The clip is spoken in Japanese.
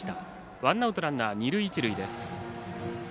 ワンアウト、ランナー、二塁一塁。